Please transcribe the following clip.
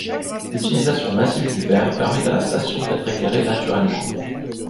L’utilisation massive du verre permet à la station d’être éclairée naturellement.